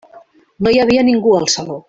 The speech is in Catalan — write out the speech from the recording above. No hi havia ningú al saló.